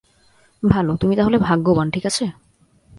ভাল, তুমি তাহলে ভাগ্যবান, ঠিক আছে?